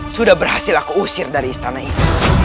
sudah berhasil aku usir dari istana itu